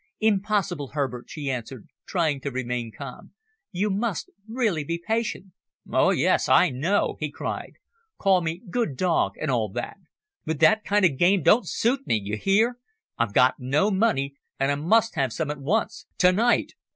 "Impossible, Herbert," she answered, trying to remain calm. "You must really be patient." "Oh, yes, I know!" he cried. "Call me good dog and all that. But that kind of game don't suit me you hear? I've got no money, and I must have some at once tonight."